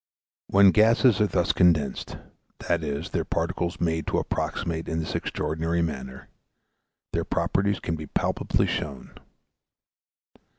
When gases are thus condensed, i.e. their particles made to approximate in this extraordinary manner, their properties can be palpably shown.